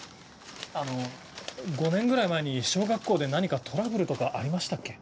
あの５年ぐらい前に小学校で何かトラブルとかありましたっけ？